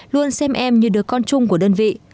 luôn xem em như đứa con chung của đơn vị